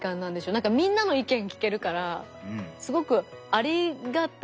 なんかみんなの意見聞けるからすごくありがたいですね。